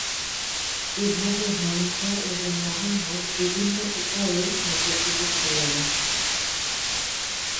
এভাবে হামজা এবং মুহম্মদ বিভিন্ন উপায়ে সম্পর্কিত ছিলেন।।